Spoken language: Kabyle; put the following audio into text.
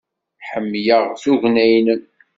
Ḥemmleɣ tugna-nnem.